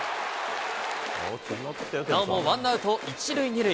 なおもワンアウト１塁２塁。